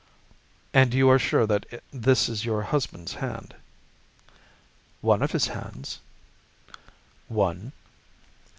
"And you are sure that this is your husband's hand?" "One of his hands." "One?"